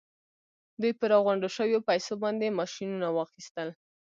دوی په راغونډو شويو پیسو باندې ماشينونه واخيستل.